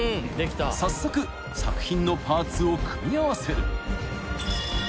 ［早速作品のパーツを組み合わせる］